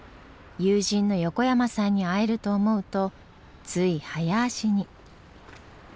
友人の横山さんに会えると思うとつい早足に。